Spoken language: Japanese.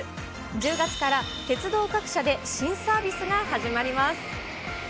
１０月から鉄道各社で新サービスが始まります。